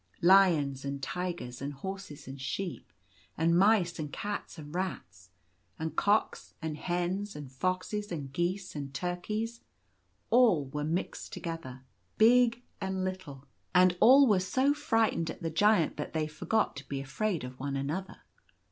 Lions and tigers, and horses and sheep, and mice and cats and rats, and cocks and hens, and foxes and geese and turkeys, all were mixed together, big and little, and 34 Zaphir comes nigh the Giant. all were so frightened at the Giant that they forgot to be afraid of one another.